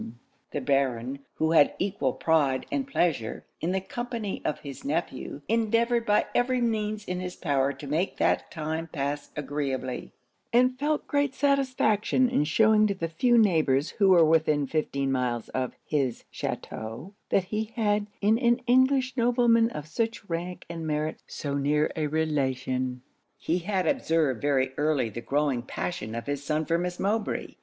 The Baron, who had equal pride and pleasure in the company of his nephew, endeavoured by every means in his power to make that time pass agreeably; and felt great satisfaction in shewing to the few neighbours who were within fifteen miles of his chateau, that he had, in an English nobleman of such rank and merit, so near a relation. He had observed very early the growing passion of his son for Miss Mowbray.